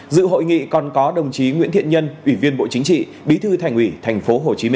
dự hội nghị còn có đồng chí nguyễn thiện nhân ủy viên bộ chính trị bí thư thành ủy tp hcm